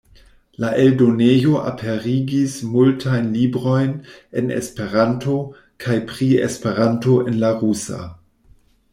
La eldonejo aperigis multajn librojn en Esperanto kaj pri Esperanto en la rusa.